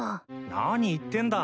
何言ってんだ。